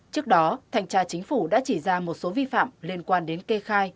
trước đó thành tra chính phủ đã chỉ ra một số vi phạm liên quan đến kê khai